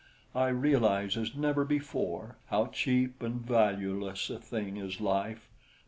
I realize as never before how cheap and valueless a thing is life.